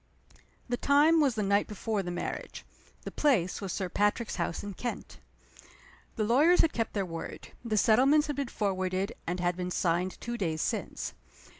THE time was the night before the marriage. The place was Sir Patrick's house in Kent. The lawyers had kept their word. The settlements had been forwarded, and had been signed two days since.